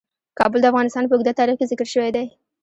کابل د افغانستان په اوږده تاریخ کې ذکر شوی دی.